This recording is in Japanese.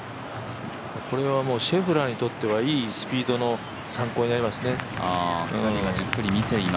これはシェフラーにとってはいいスピードの参考になりますね。